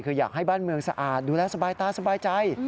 คืออยากให้บ้านเมืองสะอาดดูแลสบายตาสบายใจ